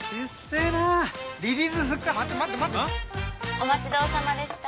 お待ちどおさまでした。